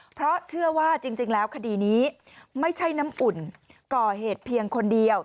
เพราะเชื่อว่าจริงแล้วคดีนี้ไม่ใช่น้ำอุ่นก่อเหตุเพียงคนเดียว